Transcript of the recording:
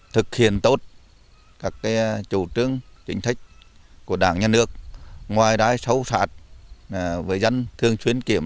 thì phải hỗ trợ các hộ khác nghèo hơn